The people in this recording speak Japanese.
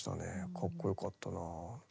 かっこよかったなあ。